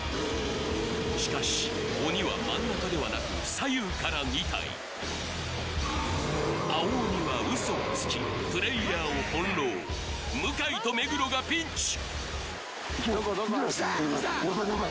しかし鬼は真ん中ではなく左右から２体青鬼はウソをつきプレイヤーを翻弄向井と目黒がピンチどこどこ？